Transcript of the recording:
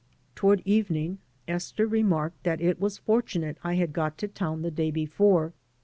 Toward evening Esther remarked that it was fortunate I had got to town the day before.